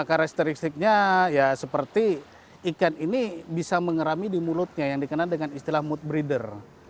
karakteristiknya ya seperti ikan ini bisa mengerami di mulutnya yang dikenal dengan istilah mood breeder